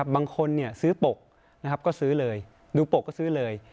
บางคนซื้อปกนะครับก็ซื้อเลยดูปกก็ซื้อเลย